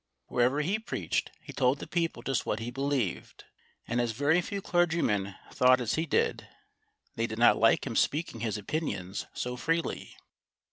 Wherever he preached he told the people just what he believed, and as very few clergymen thought as he did, they did not like him speaking his opinions so freely.